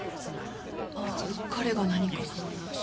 ああ彼が何か？